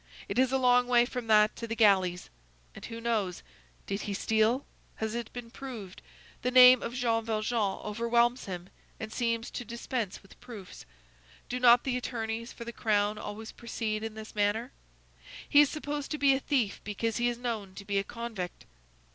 It is a long way from that to the galleys. And who knows? Did he steal? Has it been proved? The name of Jean Valjean overwhelms him, and seems to dispense with proofs. Do not the attorneys for the Crown always proceed in this manner? He is supposed to be a thief because he is known to be a convict."